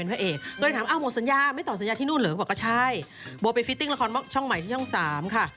ก็เป็นนางเอกเจ้าประจำเป็นนางเอกเบอร์หนึ่งของเอ็กซโ